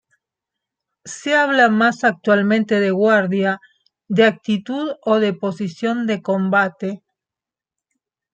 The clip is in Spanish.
Se habla más actualmente de guardia, de actitud o de posición de combate.